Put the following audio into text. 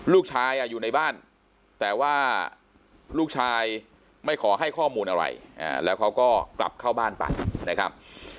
ลูกชายอยู่ในบ้านแต่ว่าลูกชายไม่ขอให้ข้อมูลอะไรแล้วเขาก็กลับเข้าบ้านไปนะครับ